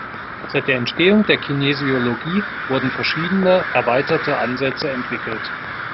Seit der Entstehung der Kinesiologie wurden verschiedene erweiterte Ansätze entwickelt.